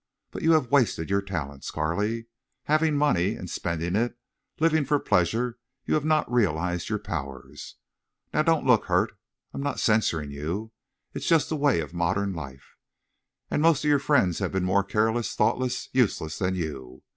But you have wasted your talents, Carley. Having money, and spending it, living for pleasure, you have not realized your powers.... Now, don't look hurt. I'm not censuring you. It's just the way of modern life. And most of your friends have been more careless, thoughtless, useless than you.